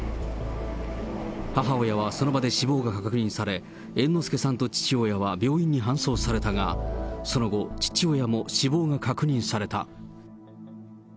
母親はその場で死亡が確認され、猿之助さんと父親は病院に搬送されたが、その後、父親も死亡が確認された。